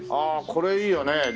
ああこれいいよね。